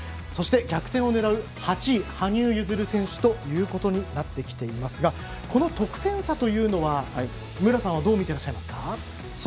そして逆転を狙う８位羽生結弦選手となっていますがこの得点差というのは無良さんはどうみていますか？